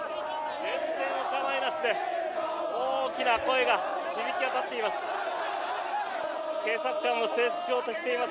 全然お構いなしで大きな声が響き渡っています。